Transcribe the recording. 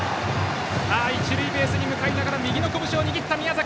一塁ベースに向かいながら右のこぶしを握った宮崎。